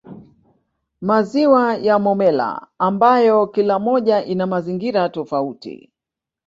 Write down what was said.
Maziwa ya Momella ambayo kila moja ina mazingira tofauti